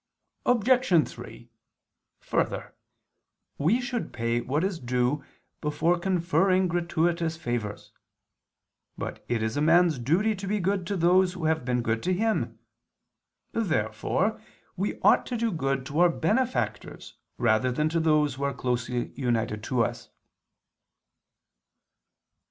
Obj. 3: Further, we should pay what is due before conferring gratuitous favors. But it is a man's duty to be good to those who have been good to him. Therefore we ought to do good to our benefactors rather than to those who are closely united to us.